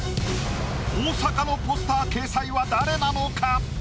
大阪のポスター掲載は誰なのか？